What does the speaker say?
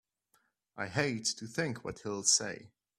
I hate to think what he'll say!